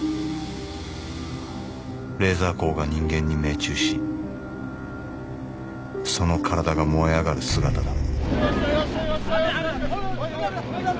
レーザー光が人間に命中しその体が燃え上がる姿だ。